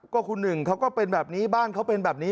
ก็คุณหนึ่งเขาก็เป็นแบบนี้บ้านเขาเป็นแบบนี้